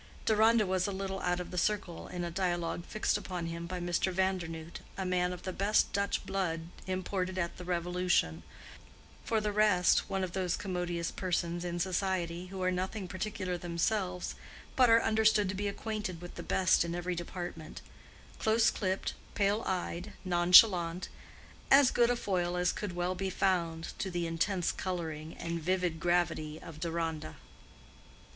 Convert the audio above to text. Deronda was a little out of the circle in a dialogue fixed upon him by Mr. Vandernoodt, a man of the best Dutch blood imported at the revolution: for the rest, one of those commodious persons in society who are nothing particular themselves, but are understood to be acquainted with the best in every department; close clipped, pale eyed, nonchalant, as good a foil as could well be found to the intense coloring and vivid gravity of Deronda.